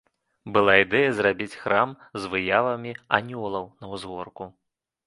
Была ідэя зрабіць храм з выявамі анёлаў, на ўзгорку.